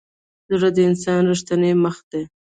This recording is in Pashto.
زړه د انسان ریښتینی مخ دی.